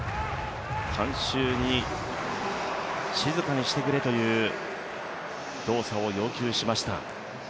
観衆に静かにしてくれという動作を要求しました。